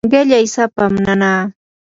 qillay sapam nanaa.